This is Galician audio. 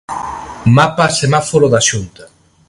Mapa 'semáforo' da Xunta.